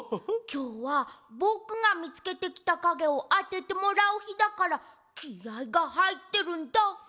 きょうはぼくがみつけてきたかげをあててもらうひだからきあいがはいってるんだ。